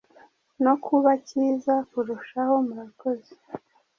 no kuba kiza kurushaho. Murakoze.